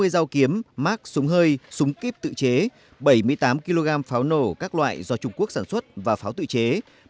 hai mươi dao kiếm mát súng hơi súng kíp tự chế bảy mươi tám kg pháo nổ các loại do trung quốc sản xuất và pháo tự chế